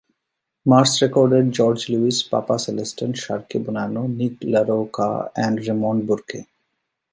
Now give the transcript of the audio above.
Mares recorded George Lewis, Papa Celestin, Sharkey Bonano, Nick LaRocca, and Raymond Burke.